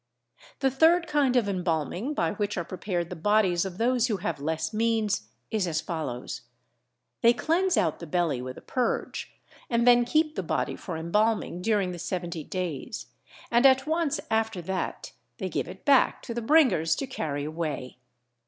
The third kind of embalming, by which are prepared the bodies of those who have less means, is as follows: they cleanse out the belly with a purge and then keep the body for embalming during the seventy days, and at once after that they give it back to the bringers to carry away.